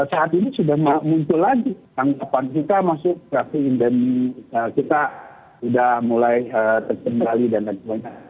saat ini sudah muncul lagi tangkapan kita masuk ke afrikan dan kita sudah mulai terkembali dan lain sebagainya